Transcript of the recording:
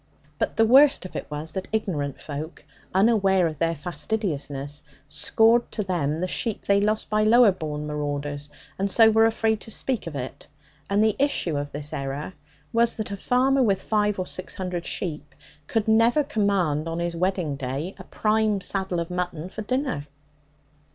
But the worst of it was that ignorant folk, unaware of their fastidiousness, scored to them the sheep they lost by lower born marauders, and so were afraid to speak of it: and the issue of this error was that a farmer, with five or six hundred sheep, could never command, on his wedding day, a prime saddle of mutton for dinner.